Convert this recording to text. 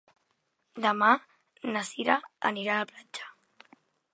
Demà na Sira anirà a la platja.